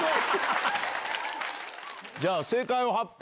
じゃあ正解の発表